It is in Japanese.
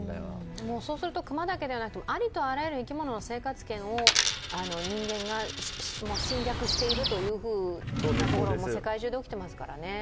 そうすると、熊だけではなくてありとあらゆる生き物の生活圏を人間が侵略しているというところも世界中で起きていますからね。